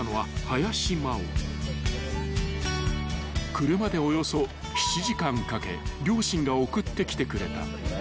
［車でおよそ７時間かけ両親が送ってきてくれた］